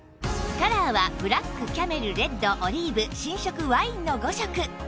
カラーはブラックキャメルレッドオリーブ新色ワインの５色